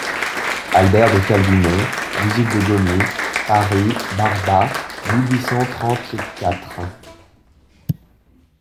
Albert de Calvimont, musique de Gomis (Paris, Barba, mille huit cent trente-quatre.